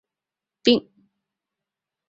就差当天没直接订